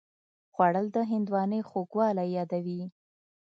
خوړل د هندوانې خوږوالی یادوي